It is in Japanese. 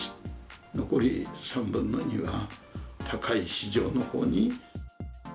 残り３分の２は、高い市場のほうに。